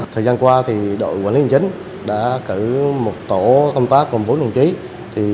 thời gian qua đội quản lý chính đã cử một tổ công tác công phố đồng chí